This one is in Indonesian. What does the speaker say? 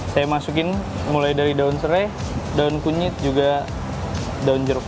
saya masukin mulai dari daun serai daun kunyit juga daun jeruk